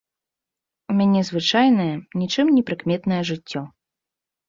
У мяне звычайнае, нічым не прыкметнае жыццё.